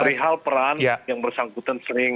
perihal peran yang bersangkutan sering